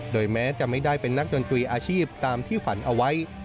แม้จะไม่ได้เป็นนักดนตรีอาชีพตามที่ฝันเอาไว้